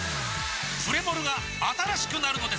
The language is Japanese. プレモルが新しくなるのです！